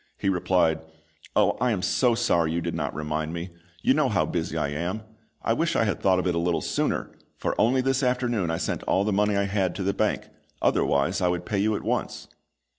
He replied, "Oh, I am so sorry you did not remind me! You know how busy I am; I wish I had thought of it a little sooner, for only this afternoon I sent all the money I had to the bank, otherwise I would pay you at once."